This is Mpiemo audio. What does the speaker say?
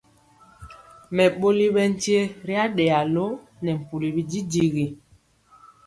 Mɛɓoli ɓɛ nkye ri aɗeya lo nɛ mpuli bididigi.